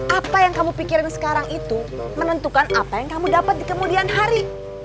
apa yang kamu pikirin sekarang itu menentukan apa yang kamu dapat di kemudian hari